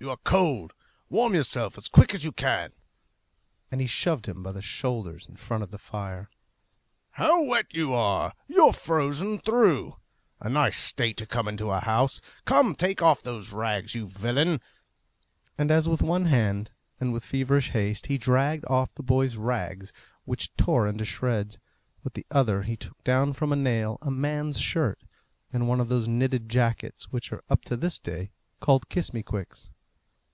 You are cold. Warm yourself as quick as you can," and he shoved him by the shoulders in front of the fire. "How wet you are! You're frozen through! A nice state to come into a house! Come, take off those rags, you villain!" and as with one hand, and with feverish haste, he dragged off the boy's rags which tore into shreds, with the other he took down from a nail a man's shirt, and one of those knitted jackets which are up to this day called kiss me quicks.